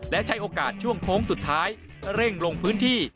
และใช้โอกาสช่วงโค้งสุดท้ายเร่งลงพื้นที่